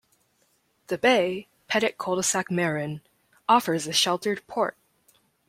The bay, Petit Cul-de-Sac Marin, offers a sheltered port.